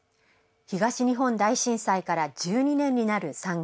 東日本大震災から１２年になる３月。